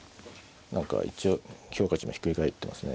何か一応評価値もひっくり返ってますね。